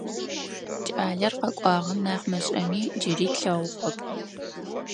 Кӏалэр къэкӏуагъ нахь мышӏэми, джыри тлъэгъугъэп.